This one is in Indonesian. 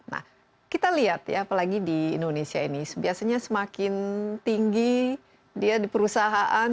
nah kita lihat ya apalagi di indonesia ini biasanya semakin tinggi dia di perusahaan